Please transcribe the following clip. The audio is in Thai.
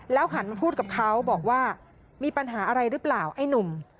หันมาพูดกับเขาบอกว่ามีปัญหาอะไรหรือเปล่าไอ้หนุ่ม